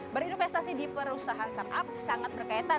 berinvestasi di perusahaan startup sangat berkaitan